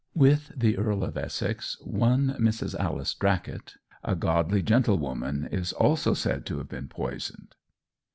"With the Earl of Essex, one Mrs. Alice Drakott, a godly gentlewoman, is also said to have been poisoned."